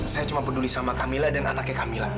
saya cuma peduli sama kamila dan anaknya kamila